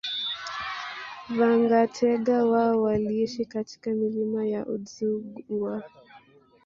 Vanyategeta wao waliishi katika milima ya Udzungwa